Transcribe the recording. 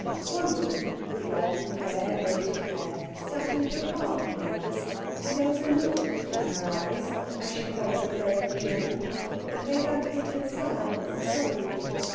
One woman with long, fair braided hair sat a little apart from the others, and there was a look in her eyes as she followed the play of the children that made Anthea feel sad and sorry.